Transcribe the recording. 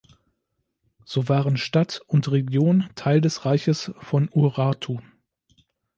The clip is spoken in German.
So waren Stadt und Region Teil des Reiches von Urartu.